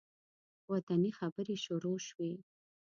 وطني خبرې شروع شوې.